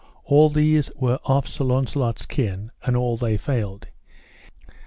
All these were of Sir Launcelot's kin, and all they failed.